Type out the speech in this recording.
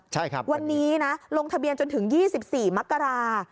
ใช่ครับวันนี้นะลงทะเบียนจนถึง๒๔มกรา